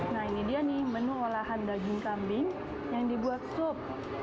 nah ini dia nih menu olahan daging kambing yang dibuat sup